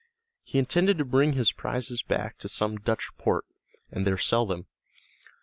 He intended to bring his prizes back to some Dutch port, and there sell them.